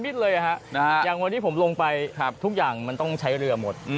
มันเลยอย่างวันนี้ผมลงไปมันต้องใช้เรือหมด